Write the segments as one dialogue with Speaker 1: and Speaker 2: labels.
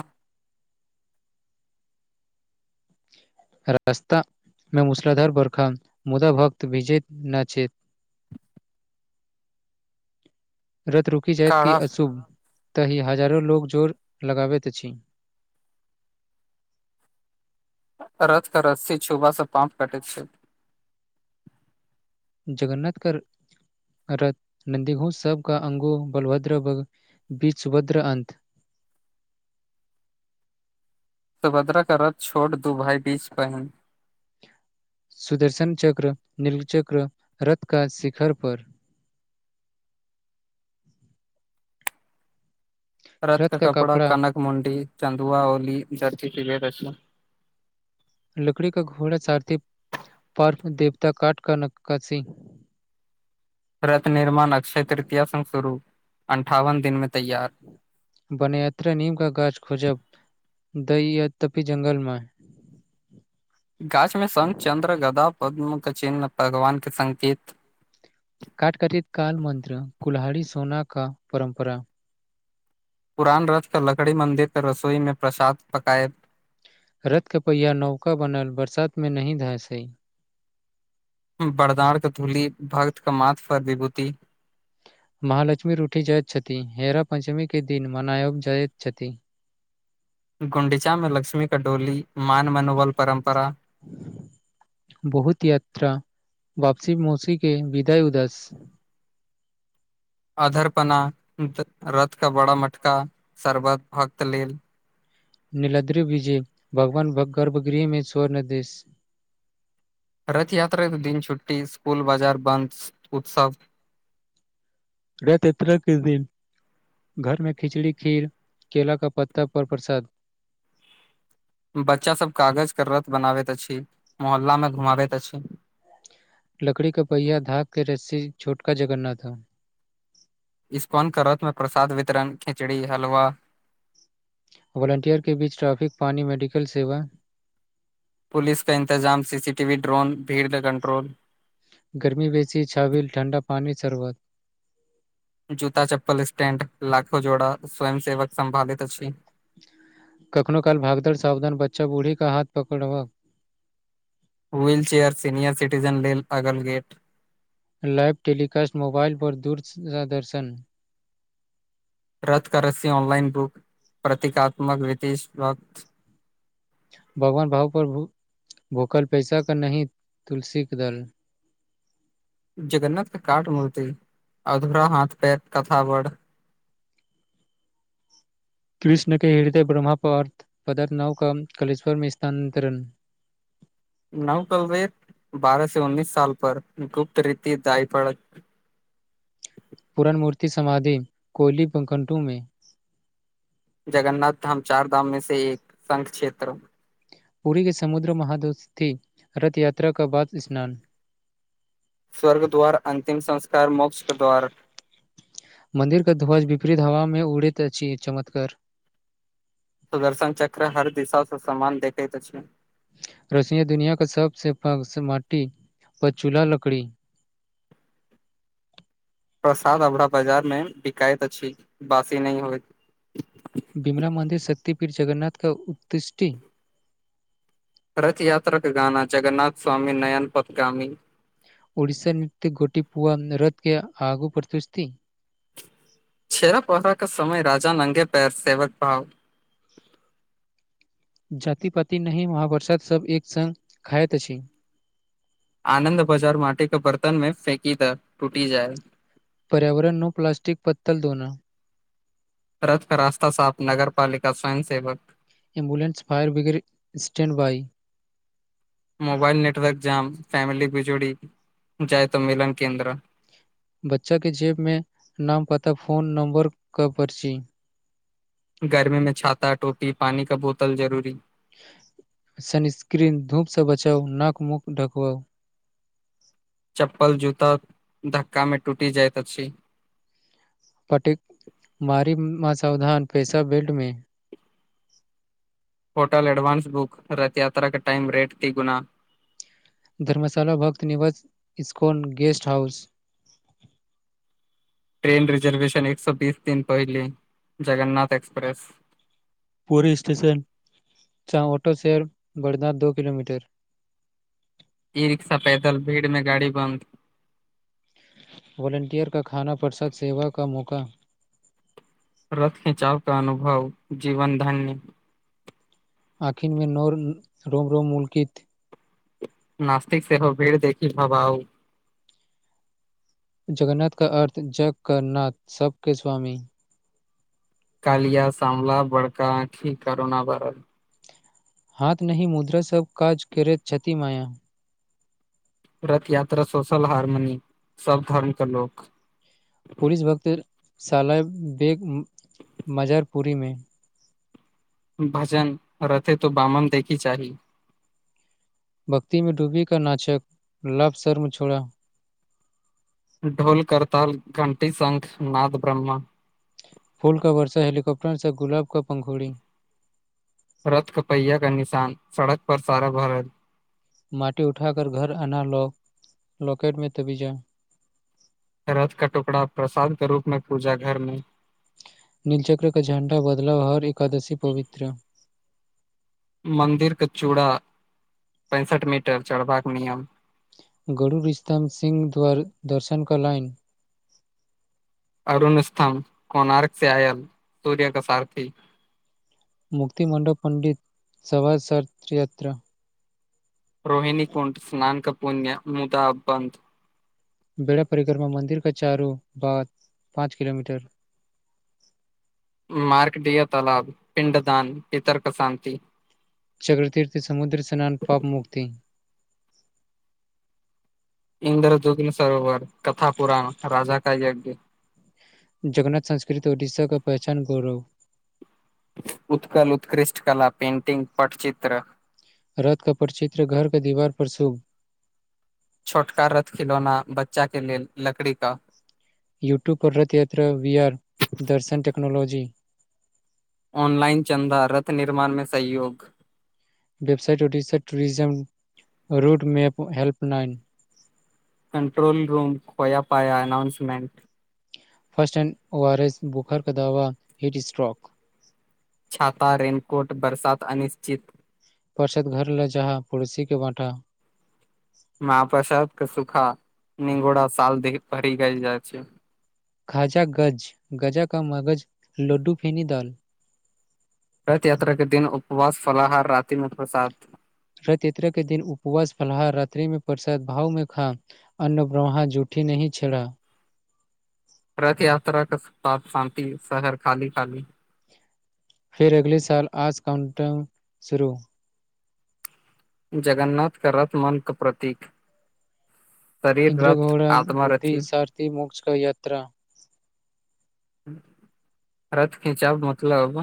Speaker 1: आ [inaudible]
Speaker 2: रस्ता मे मुसलाधार बरखा मुदा भक्त विजैत न छै
Speaker 1: [inaudible]
Speaker 2: रथ रूकी जाएत की
Speaker 1: काढ़ा
Speaker 2: अशुभ ताहि हजारो लोग जोर लगाबैत अछि
Speaker 1: [inaudible] रथक रस्सी छुब से पाप कटैत छै
Speaker 2: जगन्नाथ कर रत नन्दी घो सबग का अंगो बलभद्र बग बीच सुभद्र अन्त
Speaker 1: [inaudible] सभद्रा क रथ छोड़ दू भााय बीच बहिन
Speaker 2: सुदर्शन चक्र नीलचक्र रथ का शिखर पर
Speaker 1: [inaudible] रथ क कपड़ा कनक मण्डी चन्दुआ होली जर्ची फरस
Speaker 2: लकड़ी का घोड़ा चारती पार्फ मे देवता काट का नक्कासी
Speaker 1: रथ निर्माण अक्षय तृतीय संघ शुरू अन्ठावन दिनमे
Speaker 2: बन यात्रा नीम का गाछ खोजब दहि यद्दपी जंगलमे
Speaker 1: गाछ मे संग चंन्द्र गदा पद्म के चिन्ह भगवान के संकेत
Speaker 2: काटकटित काल मन्त्र कुल्हहारी सोना का परम्परा
Speaker 1: पुरान रथ पर लकड़ी मंन्दिर पर रसोई मे प्रसाद पकाए
Speaker 2: रथ के पहिया नवका बनल बरसात मे नहि धांसई
Speaker 1: बरदड़क धूली भगत का माथ फर विभूति [unintelligible]
Speaker 2: महालक्ष्मी रूठी जाइत छथि हेरा पंचमी के दिन मनायब जाइत छथि
Speaker 1: गुंडीचामे लक्ष्मी का डोली मान मनोबल परम्परा
Speaker 2: बहुत यात्रा वापसी मौसी के विदाय उदास
Speaker 1: अधर पना रथ का बड़ा मटका शर्बत भक्त लेल
Speaker 2: निलद्री विजय भगवान गर्भगृह मे स्वर्ण देेश
Speaker 1: रथ यात्रा दिन छुट्टी स्कुल बाजार बन्द उत्सव
Speaker 2: रथ यात्रा के दिन घरमे खिचड़ी खीर केेल का पत्ता पर प्रसाद
Speaker 1: बच्चासभ कागजके रथ बनाबैत अछि मोहल्लामे घुमाबैत अछि
Speaker 2: लकड़ी क पहियाा धाक के रस्सि छोटका जगन्नाथाम
Speaker 1: इपन क रथमे प्रसाद वितरण खिचड़ी हलवा
Speaker 2: वोलेंटियर के बीच ट्रैफिक पानी मेडिकल सेवा
Speaker 1: पुलिस क इन्तजाम C C T V drone भीड़ क कंट्रोल
Speaker 2: गरमी बेसी छाबील ठंडा पानी सरवत
Speaker 1: जूता चप्पल स्टैंड लाखो जोड़ा स्वयं सेवक संभालित अछि
Speaker 2: कखनो काल भागदड़ सावधान बच्चा बूढ़ी का हाथ पकड़ बाक
Speaker 1: व्हील चेयर सीनियर सिटीजन लेल अगल गेट
Speaker 2: लाइव टेलीकासट मोबाइल पर दूर आ दर्शन
Speaker 1: रथ क रस्सि ऑनलाइन बुक प्रतीकात्मक विति वक्त
Speaker 2: भगवान भाव पर भूखल पैसा क नहि तुलसी के दल
Speaker 1: [inaudible] जगन्नाथ काट मूर्ति अधूरा हाथ पैर कथा बढ़ [inaudible]
Speaker 2: कृष्ण के हृदय ब्रह्म पार्थ पदार नवक कलेश्वरमे स्थानानतरण
Speaker 1: [inaudible] नवकलवेर बारह से उन्नीस साल पर गुप्त रीति दाय पड़ [inaudible]
Speaker 2: पूरण मूर्ति समाधि कोली बाकंटुमि
Speaker 1: जगन्नाथ धाम चार धाम मे से एक संघ क्षेत्र
Speaker 2: पूरि के समुद्र महादोस्ती रथ यात्रा के बाद स्नान
Speaker 1: स्वर्गद्वार अंतिम संस्कार मोक्ष क द्वार
Speaker 2: मंन्दिर के ध्वज विपरीत हवा मे उड़ैत अछि चमतकर
Speaker 1: सुदर्शन चक्र हर दिशा से सम्मान देतेत अछि
Speaker 2: रशिया दुनिया के सबसे पास माटी ब चूला लकड़ी
Speaker 1: [inaudible] प्रसाद हमरा बाजारमे बिकाइत अछि बासी नहि होय
Speaker 2: कतिपीर जगन्नाथ का उत्तृष्टि
Speaker 1: रथ यात्रा के गाना जगन्नाथ स्वामी नयन पतगामी
Speaker 2: ओड़िसा नृते गोटी पुआ रथ के आगू पड़तुसती
Speaker 1: छेरा पोहरा का समय राजा नंगे पैर सेवक भाव [inaudible]
Speaker 2: जाति पाति नहि महाप्रसाद सब एक संग खाइत अछि
Speaker 1: आनंन्द बाजार माटि के बर्तन मे फेकी त टूटी जाय
Speaker 2: पर्यावरण नो प्लास्टिक पत्तल धोना
Speaker 1: रथ क रास्ता साफ नगरपालिका स्वयं सेवक
Speaker 2: एम्बलेंस फायर ब्रिगेड स्टैण्ड बई
Speaker 1: मोबाइल नेटवर्क जाम फैमिली बिजोड़ी जायत मिलन केन्द्र
Speaker 2: बच्चा के जेब मे नाम पता फोन नंबर क पर्ची
Speaker 1: गर्मी मे छाता टोपी पानी का बोतल जरूरी
Speaker 2: सनस्क्रीन धूपसँ बचाउ नाक मुक ढकवाउ
Speaker 1: चप्पल जूता धक्का मे टुटि जाइत अछि
Speaker 2: पटेक मारी माँ सावधान पैसा बेल्ट मे
Speaker 1: hotel advance book Rath Yatra के टाइम रेट ती गुना
Speaker 2: धर्मशााला भक्त निवास ISKCON guest house
Speaker 1: [inaudible] train reservation एक सौ बीस दिन पहिले जगन्नाथ एक्सप्रेस
Speaker 2: पूरी स्टेशन चा ऑटो शेयर बर्ना दो किलोमीटर
Speaker 1: ई रिक्शा पैदल भीड़मे गाड़ी बन्द
Speaker 2: वलंटियरका खाना प्रसाद सेवा का मौका
Speaker 1: रथ खिचाव का अनुभव जीवन धन्य
Speaker 2: आखिरमे नर रोम रोम मुल्कित
Speaker 1: नास्तिक सेहो भीड़ देखि भबा आउ
Speaker 2: जगन्नाथ का अर्थ जग कर नथ सबके स्वामी
Speaker 1: कलिया सामला बड़का आंखि करोना भरल
Speaker 2: हाथ नहि मुद्रा सब काज करे क्षति माया
Speaker 1: रथ यात्रा सोशल हारमोनी सब धर्म के लोक
Speaker 2: पुलिस वक्त साल बग मजारपुरी मे
Speaker 1: भजन रथे तो बामन देखी चाही
Speaker 2: भक्ति मे डूबी का नाचक लभ शर्म छोड़ा
Speaker 1: ढोल करताल घंटी संघ नाद ब्रह्म
Speaker 2: फूल का वर्षा हेेलीकॉप्टरसँ गुलाब का पंखोड़ी
Speaker 1: रथ का पहिया का निशान सड़क पर सारा भरल
Speaker 2: अनालॉक लकेटमे तबि जा
Speaker 1: रथ का टुकड़ा प्रसाद के रूप में पूजा घरमे
Speaker 2: नीलचक्र का झण्डा बदलाव हर एकादशी पवित्र
Speaker 1: मन्दिरके चूड़ा पैंसठ मीटर चढ़बाक नियम
Speaker 2: गरू रिसताम सिंह द्वार दर्शनक लाइन
Speaker 1: अरुण स्तम्भ कोणार्कसे आयल सूर्यक सारथी
Speaker 2: मुक्ति मंडप पंडित सवाज शारथ यात्रा
Speaker 1: रोहिणी कुंट स्नाानक पुण्य मुदा अब बन्द
Speaker 2: बेड़ा परिकरमा मन्दिरके चारू ओर बाद पाँच किलोमीटर
Speaker 1: [inaudible] मार्कडिय तालाब पिंडदान पितरक शांति
Speaker 2: चक्रतीर्थ समुद्र स्नान पाप मुक्ति
Speaker 1: इन्द्रदुग्न सरोवर कथा पुराण राजा का यज्ञ
Speaker 2: जगन्नाथ संस्कृत उड़ीसाक पहचान गौरव
Speaker 1: उत्कल उत्कृष्ट कला पेन्टिंग पटचित्र
Speaker 2: रथ का परचित्र घरके दीवार पर शुभ
Speaker 1: छोटका रथ खिलौना बच्चा के लेल लकड़ी का
Speaker 2: यूट्यूब पर रथ यात्रा वीआर दर्शन टेक्नोलॉजी
Speaker 1: ऑनलाइन चन्दा रथ निर्माण में सहियोग
Speaker 2: वेबसाट उडीसेट tourism route map help line
Speaker 1: control room खोया पाया announcement
Speaker 2: first and O R S बुखारक दवा हिट स्ट्रॉक
Speaker 1: छाता रेनकोट बरसात अनिश्चित
Speaker 2: पर्सद घर लौ जहाँ पड़ोसी के बाँटा
Speaker 1: महप्रसाद के सुखा न घोड़ा साल भरि गइ जाइ छै
Speaker 2: खाजा गज़ गजा का मगज़ लुड्डूफेनी दाल
Speaker 1: रथ यात्रा के दिन उपवास फलाहार रातिमे प्रसाद
Speaker 2: रथ यात्रा के दिन उपवास फलाहार रातिमे प्रसाद भाव में खा अन्न ब्रह्म जुट पठी नहि छला
Speaker 1: [inaudible] यात्रा के साथ शान्ति शहर खाली खाली
Speaker 2: फिर अगले साल आज काउंटन शुरू
Speaker 1: जगन्नाथ क रथ मन क प्रतीक शरीर
Speaker 2: इन्द्र
Speaker 1: रथ
Speaker 2: घौड़ा
Speaker 1: आत्मा
Speaker 2: बुद्धि
Speaker 1: रथी
Speaker 2: सार्थी मोझ क यात्रा
Speaker 1: रथ खिचाब मतलब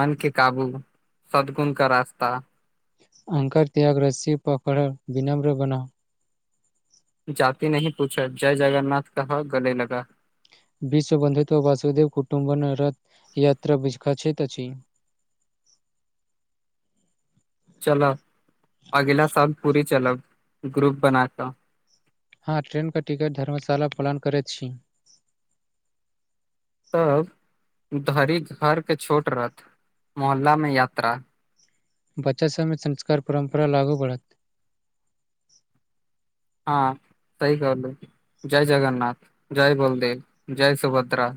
Speaker 1: मन के काबु सदगुण का रास्ता
Speaker 2: अहंकार त्याग रस्सि पकड़ विनम्र बनाउ
Speaker 1: जाति नहि पूछा जय जगन्नाथ कहअ गले लगा
Speaker 2: विश्व बन्धुत्व वासुदेव कुटुंब रथ याता विछ काछैत अछि
Speaker 1: [inaudible] चल अगिला साल पूरी चलब ग्रुप बना क
Speaker 2: हँ ट्रेन के टिकट धर्मशाला पलान करैत छी
Speaker 1: तब धरिक हर के छोट रथ मोहल्ला मे यात्रा
Speaker 2: बच्चा सभमे संस्कार परम्परा लागू बढ़त
Speaker 1: हँ सही कहलु जय जगन्नाथ जय बलदेव जय सुभद्रा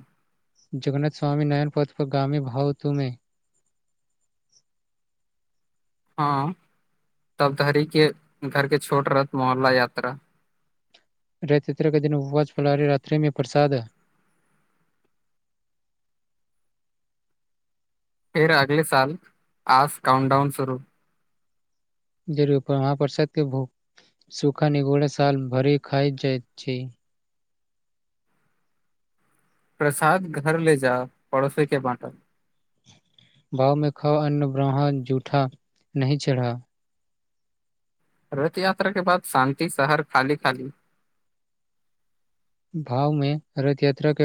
Speaker 2: जगन्नाथ स्वामी नयन पथ पर गामी भााव तुमे
Speaker 1: हँ तब धरी के घरके छोट रथ मोहल्ला यात्रा
Speaker 2: रथ यात्रा के दिन उपवास फलहारी रात्रि मे प्रसाद
Speaker 1: फिर अगले साल आज काउनडाउन शुरू
Speaker 2: जरूरपर महापसाद के भोग सुखा निगोरा साल भरी खाय जाइत छै
Speaker 1: प्रसाद घर ले जा पड़ोसी के बाँटअ
Speaker 2: भावमे खाव अन्न ब्राह्मण जूठा नहि चढ़ा
Speaker 1: रथ याता के बाद शान्ति शहर खाली खाली
Speaker 2: भाव मे रथ यात्रा के